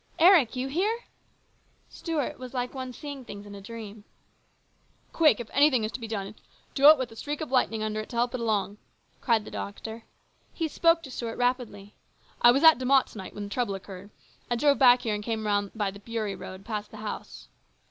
" Eric ! You here !" Stuart was like one seeing things in a dream. " Quick ! If anything is going to be done, do it with a streak of lightning under it to help it along !" cried the doctor. He spoke to Stuart rapidly :" I was at De Mott to night when the trouble occurred. I drove back here and came round by the Beury road past the house.